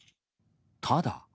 ただ。